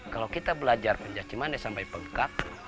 kalau kita belajar pencak cimande sampai bengkak